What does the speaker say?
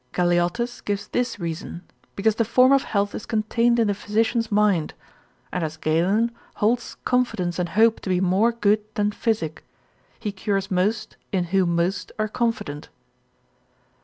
Galeottus gives this reason, because the form of health is contained in the physician's mind, and as Galen, holds confidence and hope to be more good than physic, he cures most in whom most are confident.